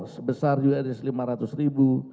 sebesar us lima ratus ribu